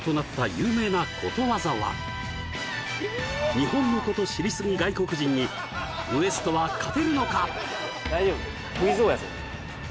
日本のこと知りスギ外国人にＷＥＳＴは勝てるのか？